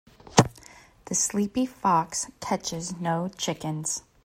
The sleepy fox catches no chickens.